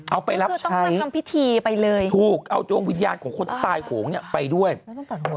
เอาไปรับใช้ถูกเอาดวงวิญญาณของคนตายของเนี่ยไปด้วยเอาไปรับใช้